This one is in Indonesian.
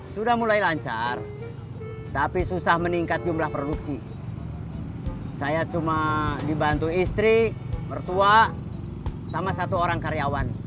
sudah mulai lancar tapi susah meningkat jumlah produksi saya cuma dibantu istri mertua sama satu orang karyawan